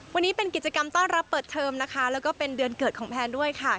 วันนี้เป็นกิจกรรมต้อนรับเปิดเทอมนะคะแล้วก็เป็นเดือนเกิดของแพนด้วยค่ะ